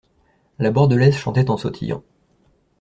La Bordelaise chantait en sautillant.